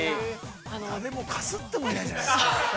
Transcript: ◆誰も、かすってもいないじゃないですか。